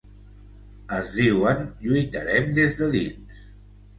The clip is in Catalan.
Es diuen lluitarem des de dins.